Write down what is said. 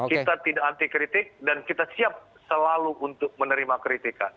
kita tidak anti kritik dan kita siap selalu untuk menerima kritikan